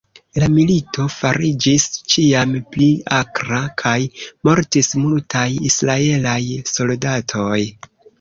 La milito fariĝis ĉiam pli akra, kaj mortis multaj Israelaj soldatoj.